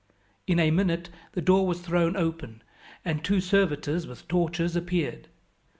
In a minute the door was thrown open, and two servitors with torches appeared.